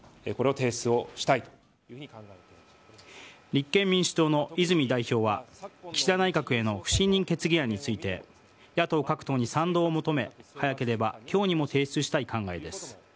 立憲民主党の泉代表は岸田内閣への不信任決議案について野党各党に賛同を求め早ければ今日にも提出したい考えです。